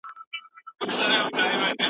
کمپيوټر فولډر ترتيبوي.